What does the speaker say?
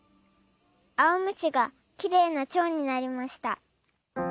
あおむしがきれいなちょうになりました」。